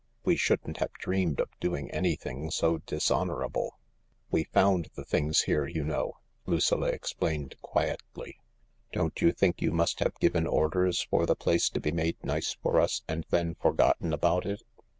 We shouldn't have dreamed of doing anything so dishonourable." " We found the things here, you know," Lucilla explained quietly. "Don't you think you must have given orders THE LARK 128 for the place to be made nice for us, and then forgotten about it